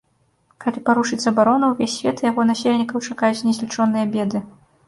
Калі парушыць забарону, увесь свет і яго насельнікаў чакаюць незлічоныя беды.